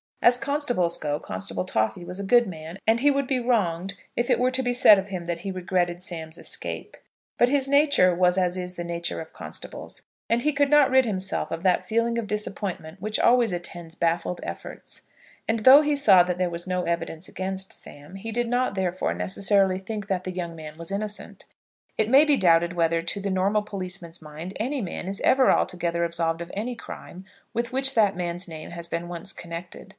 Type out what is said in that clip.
As constables go, Constable Toffy was a good man, and he would be wronged if it were to be said of him that he regretted Sam's escape; but his nature was as is the nature of constables, and he could not rid himself of that feeling of disappointment which always attends baffled efforts. And though he saw that there was no evidence against Sam, he did not, therefore, necessarily think that the young man was innocent. It may be doubted whether, to the normal policeman's mind, any man is ever altogether absolved of any crime with which that man's name has been once connected.